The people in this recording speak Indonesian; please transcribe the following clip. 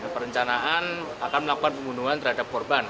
perencanaan akan melakukan pembunuhan terhadap korban